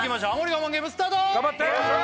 我慢ゲームスタート